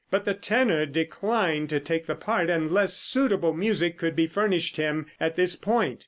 But the tenor declined to take the part unless suitable music could be furnished him at this point.